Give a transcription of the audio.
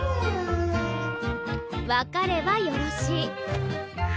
わかればよろしい。